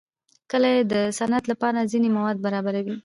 کلي د صنعت لپاره ځینې مواد برابروي.